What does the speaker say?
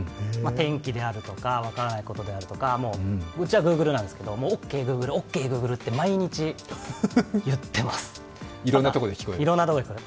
天気であるとか分からないことであるとかうちはグーグルなんですけど、オーケーＧｏｏｇｌｅって毎日言っています、いろんなところで聞こえる。